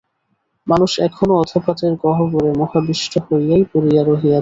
মানুষ এখনও অধঃপাতের গহ্বরে মোহাবিষ্ট হইয়াই পড়িয়া রহিয়াছে।